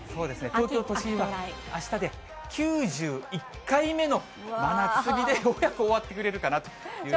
東京都心はあしたで９１回目の真夏日で、ようやく終わってくれるかなという感じに。